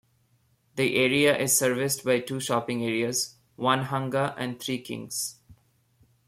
The area is serviced by two shopping areas; Onehunga and Three Kings.